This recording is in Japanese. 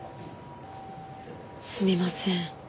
すみません。